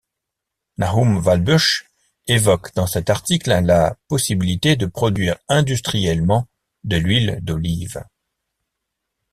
Nahum Valbush évoque dans cet article la possibilité de produire industriellement de l'huile d'olive.